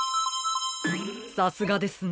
さすがですね。